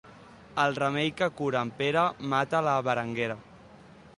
El remei que cura en Pere mata la Berenguera.